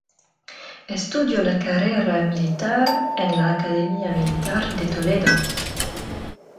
Estudió la carrera militar en la Academia Militar de Toledo.